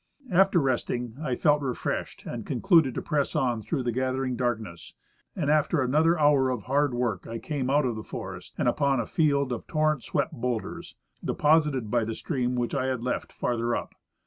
After resting I felt refreshed, and concluded to press on through the gathering darkness, and after another hour of hard work I came out of the forest and upon a field of torrent swept bowlders, deposited by the stream which I had left farther up.